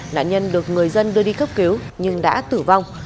nạn nhân được người dân đưa đi cấp cứu nhưng đã tử vong